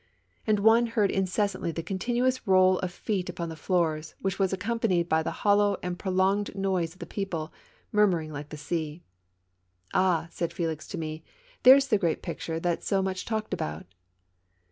And one heard incessantly the continuous roll of feet upon the floors, which was accompanied by the hollow and prolonged noise of the people, murmuring like the sea. SALON AND THEATRE. 35 " All !" said Felix to me, " there's the great picture that's so much talked about."